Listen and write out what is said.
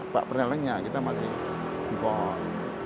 pak pernelengnya kita masih impor